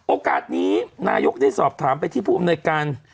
โอกาสนี้นายกได้สอบถามไปที่ผู้อำนวยการ